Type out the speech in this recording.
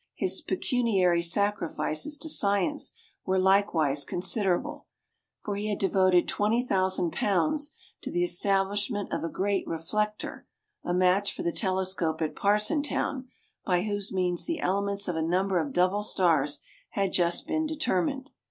His pecuniary sacrifices to science were likewise considerable, for he had devoted ;^20,ooo to the establishment of a giant reflector, a match for the telescope at Parson Town, by whose means the elements of a number of double stars had just been determined.